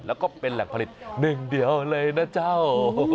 แล้วก็เป็นแหล่งผลิตหนึ่งเดียวเลยนะเจ้า